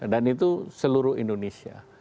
dan itu seluruh indonesia